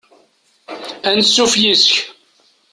Anṣuf yes-k.